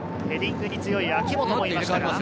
ヘディングに強い、明本もいました。